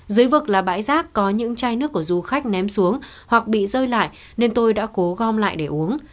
dưới vực là bãi rác có những chai nước của du khách ném xuống hoặc bị rơi lại nên tôi đã cố gom lại để uống